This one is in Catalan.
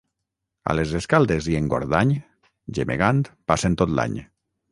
A les Escaldes i Engordany, gemegant passen tot l'any.